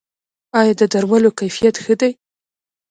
آیا د درملو کیفیت ښه دی؟